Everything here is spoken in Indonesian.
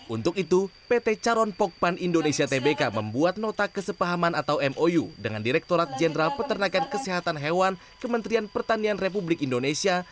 untuk itu pt caron pokpan indonesia tbk membuat nota kesepahaman atau mou dengan direkturat jenderal peternakan kesehatan hewan kementerian pertanian republik indonesia